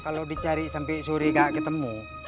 kalo dicari sampe suri gak ketemu